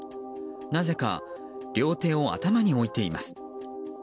なぜか両手を頭に置いています。